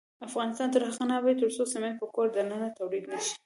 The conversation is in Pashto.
افغانستان تر هغو نه ابادیږي، ترڅو سمنټ په کور دننه تولید نشي.